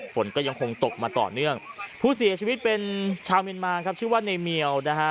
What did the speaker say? ฝนก็ยังคงตกมาต่อเนื่องผู้เสียชีวิตเป็นชาวเมียนมาครับชื่อว่าในเมียวนะฮะ